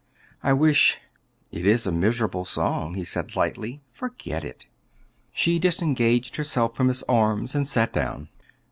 I wish " "It is a miserable song," he said lightly; "forget it." She disengaged herself from his arms and sat down.